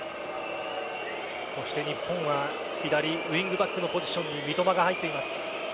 そして日本は左ウイングバックのポジションに三笘が入っています。